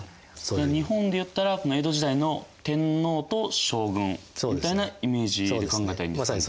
日本でいったら江戸時代の天皇と将軍みたいなイメージで考えたらいいんですか？